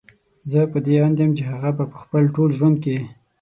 زه په دې اند يم چې هغه به په خپل ټول ژوند کې